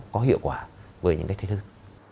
có hiệu quả với những cái thế thức